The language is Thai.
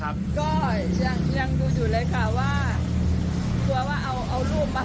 ก็ยังยังดูอยู่เลยค่ะว่ากลัวว่าเอาเอารูปมา